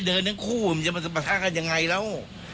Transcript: ดูเหมือนท่านมั่นใจนะว่าจะเอาอยู่